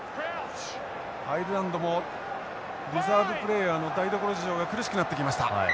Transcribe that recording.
アイルランドもリザーブプレーヤーの台所事情が苦しくなってきました。